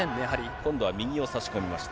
今度は右を差し込みました。